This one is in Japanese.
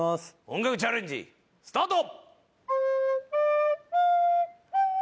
音楽チャレンジスタート！